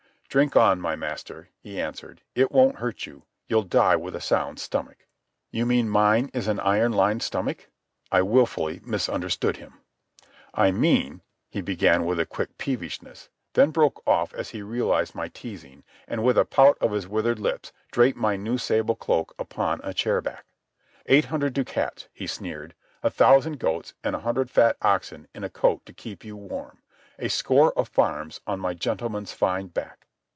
"Drink on, my master," he answered. "It won't hurt you. You'll die with a sound stomach." "You mean mine is an iron lined stomach?" I wilfully misunderstood him. "I mean—" he began with a quick peevishness, then broke off as he realized my teasing and with a pout of his withered lips draped my new sable cloak upon a chair back. "Eight hundred ducats," he sneered. "A thousand goats and a hundred fat oxen in a coat to keep you warm. A score of farms on my gentleman's fine back."